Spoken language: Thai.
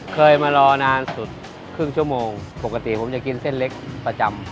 เคยมารอนานสุดครึ่งชั่วโมงปกติผมจะกินเส้นเล็กประจำ